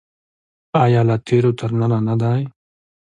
آیا له تیرو تر ننه نه دی؟